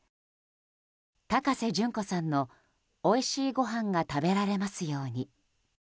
高瀬隼子さんの「おいしいごはんが食べられますように」。